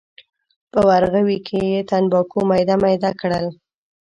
په ورغوي کې یې تنباکو میده میده کړل.